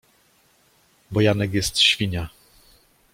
Bo Janek jest Świnia.